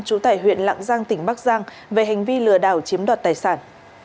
chủ tải huyện lạng giang tỉnh bắc giang về hành vi lừa đảo chiếm đoạt tài sản